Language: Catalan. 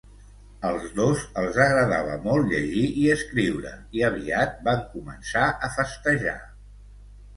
Als dos els agradava molt llegir i escriure i aviat van començar a festejar.